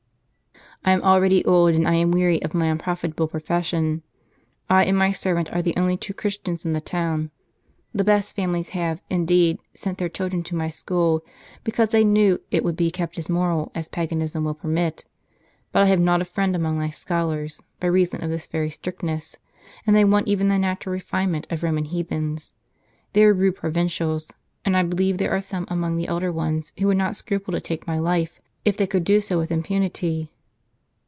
I am already old, and I am weary of my unprofitable profession. I and my servant are the only two Christians in the town. The best families have, indeed, sent their children to my school, because they knew it would be kept as moral as paganism will permit ; but I have not a friend among my scholars, by reason of this very strictness. And they want even the m m natural refinement of Roman heathens. They are rude pro vincials ; and I believe there are some among the elder ones who would not scruple to take my life, if they could do so with impunity."